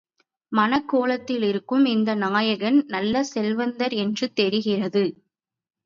மணக்கோலத்திலிருக்கும் இந்த நாயகன் நல்ல செல்வந்தர் என்றும் தெரிகிறது.